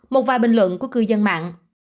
một vài bình luận của cư dân mạng